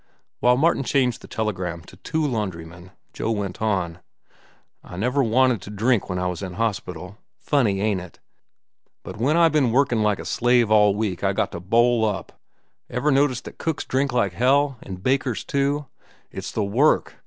While Martin changed the telegram to "two laundrymen," Joe went on: "I never wanted to drink when I was in hospital. Funny, ain't it? But when I've ben workin' like a slave all week, I just got to bowl up. Ever noticed that cooks drink like hell?—an' bakers, too? It's the work.